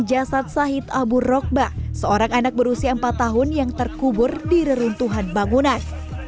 jasad sahid abu rokba seorang anak berusia empat tahun yang terkubur di reruntuhan bangunan